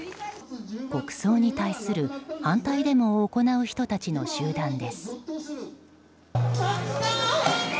国葬に対する反対デモを行う人たちの集団です。